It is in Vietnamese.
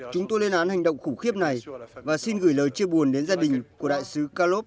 chúng tôi lên án hành động khủng khiếp này và xin gửi lời chia buồn đến gia đình của đại sứ calov